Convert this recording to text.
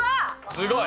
すごい。